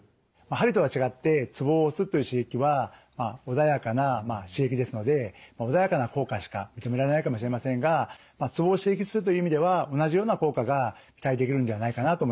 鍼とは違ってツボを押すという刺激は穏やかな刺激ですので穏やかな効果しか認められないかもしれませんがツボを刺激するという意味では同じような効果が期待できるんではないかなと思います。